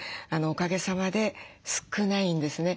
おかげさまで少ないんですね。